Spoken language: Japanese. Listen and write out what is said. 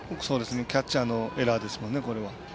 キャッチャーのエラーですもんね、これは。